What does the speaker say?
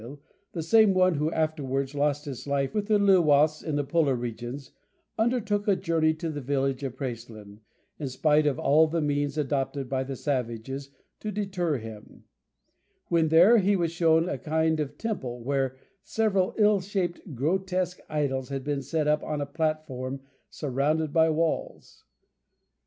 ] The student Porel de Blossville the same who afterwards lost his life with the Lilloise in the Polar regions undertook a journey to the village of Praslin, in spite of all the means adopted by the savages to deter him. When there he was shown a kind of temple, where several ill shaped, grotesque idols had been set up on a platform surrounded by walls.